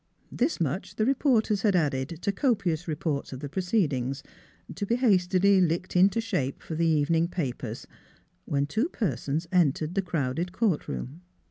This much the reporters had added to copious reports of the proceedings, to be hastily licked into shape for the evening papers, when two persons entered the crowded court room.